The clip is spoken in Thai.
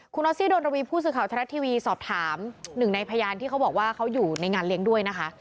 คุณนศิโดนระวีผู้ต่อทวีย์สอบถามที่เราว่าเขาอยู่ในงานล้างด้วยนะคะ